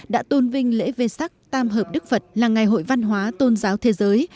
đã tôn vinh lễ vê sắc tam hợp đức phật là ngày hội văn hóa tôn giáo thế giới